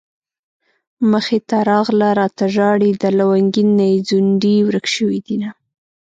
مخې ته راغله راته ژاړي د لونګين نه يې ځونډي ورک شوي دينه